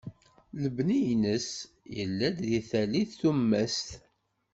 Lebni-ines yella-d deg tallit tummast.